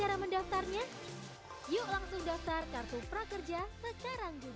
yuk langsung daftar kartu prakerja sekarang juga